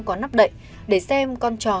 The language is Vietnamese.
có nắp đậy để xem con chó